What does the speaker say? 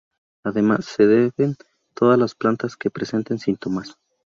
Además, se deben todas las plantas que presenten síntomas.